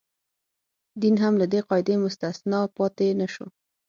دین هم له دې قاعدې مستثنا پاتې نه شو.